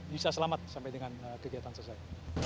bisa selamat sampai dengan kegiatan selesai